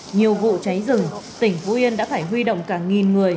nhiều vụ cháy rừng tỉnh phú yên đã phải huy động cả nghìn người